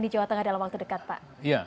di jawa tengah dalam waktu dekat pak